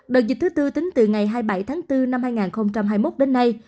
đợt dịch thứ tư tính từ ngày hai mươi bảy tháng bốn năm hai nghìn hai mươi một đến nay